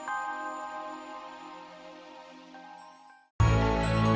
atas kehamilan kamu